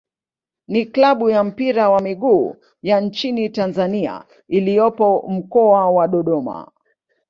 ni klabu ya mpira wa miguu ya nchini Tanzania iliyopo Mkoa wa Dodoma.